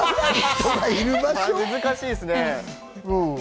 難しいっすね。